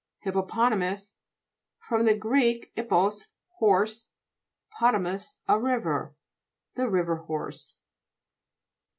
HIPPOPO'TAMUS fr. gr. 'ippos, horse, potamos, a river. The River horse.